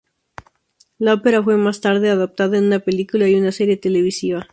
La ópera fue más tarde adaptada en una película y una serie televisiva.